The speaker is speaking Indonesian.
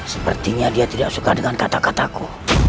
sepertinya dia tidak suka dengan kata kataku